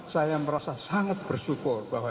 saya merasa sangat bersyukur bahwa